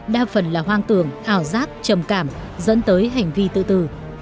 đa phần là hoang tưởng ảo giác trầm cảm dẫn tới hành vi tự tử